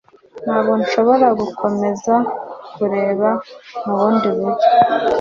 Ntabwo nshobora gukomeza kureba mu bundi buryo